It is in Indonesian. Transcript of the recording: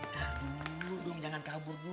tabur dulu dong jangan tabur dulu